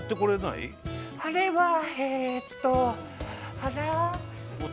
あれはえっとあら？